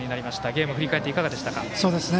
ゲームを振り返っていかがでしたか。